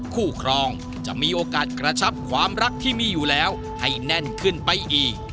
ครองจะมีโอกาสกระชับความรักที่มีอยู่แล้วให้แน่นขึ้นไปอีก